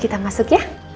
kita masuk ya